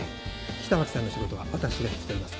北脇さんの仕事は私が引き取ります。